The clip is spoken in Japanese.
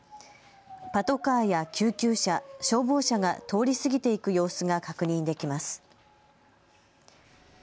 パトカーや救急車、消防車が通り過ぎていく様子が確認できます。